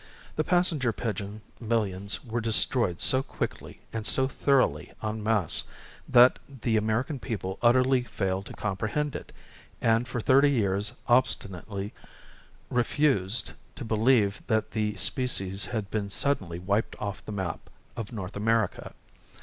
The passenger pigeon millions were destroyed so quickly, and so thoroughly en masse, that the American people utterly failed to comprehend it, and for thirty years obstinately refused to believe that the species had been suddenly wiped off the map of North America.